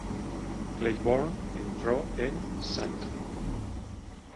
Claiborne entró en St.